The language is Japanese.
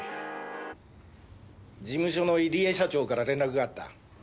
事務所の入江社長から連絡があった。